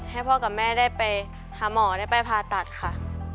ให้พ่อกับแม่ได้ไปหาหมอได้ไปผ่าตัดค่ะ